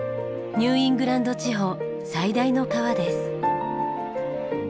ニューイングランド地方最大の川です。